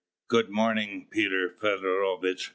"Good morning, Peter Feodorovitch!"